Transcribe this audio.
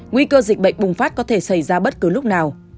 nguy cơ dịch bệnh bùng phát có thể xảy ra bất cứ lúc nào